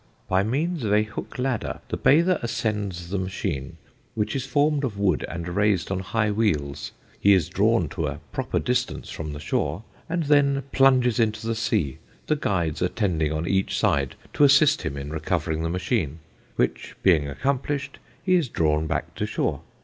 By means of a hook ladder the bather ascends the machine, which is formed of wood, and raised on high wheels; he is drawn to a proper distance from the shore, and then plunges into the sea, the guides attending on each side to assist him in recovering the machine, which being accomplished, he is drawn back to shore.